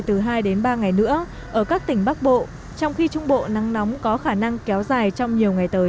từ hai đến ba ngày nữa ở các tỉnh bắc bộ trong khi trung bộ nắng nóng có khả năng kéo dài trong nhiều ngày tới